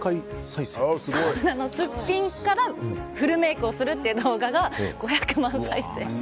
すっぴんからフルメイクをするという動画が５００万再生。